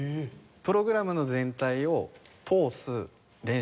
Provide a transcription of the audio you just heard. プログラムの全体を通す練習。